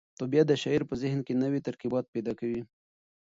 طبیعت د شاعر په ذهن کې نوي ترکیبات پیدا کوي.